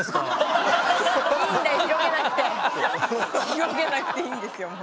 広げなくていいですよ